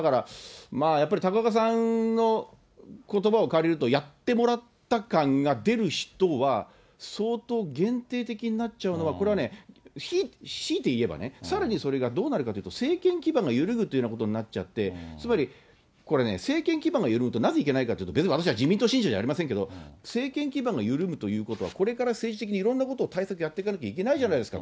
だから、やっぱり、高岡さんのことばを借りると、やってもらった感が出る人は、相当限定的になっちゃうのは、これはね、しいて言えば、さらにそれがどうなるかというと、政権基盤が緩むっていうことになっちゃって、つまりこれ政権基盤が緩むとなぜいけないかというと、全然私は自民党信者じゃありませんけど、政権基盤が緩むということは、これから政治的にいろんなことを対策やっていかなきゃいけないじゃないですか。